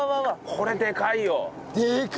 これでかいよ。